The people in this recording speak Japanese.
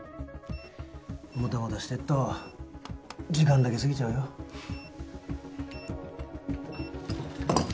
もたもたしてっと時間だけ過ぎちゃうよふっ。